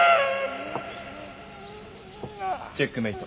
チェックメイト。